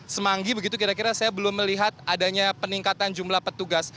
semanggi begitu kira kira saya belum melihat adanya peningkatan jumlah petugas